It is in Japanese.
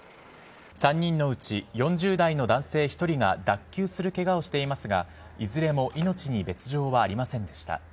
３人のうち、４０代の男性１人が脱臼するけがをしていますが、いずれも命に別状はありませんでした。